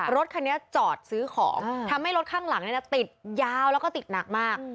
รถคันนี้จอดซื้อของทำให้รถข้างหลังติดยาวแล้วก็ติดหนักมาก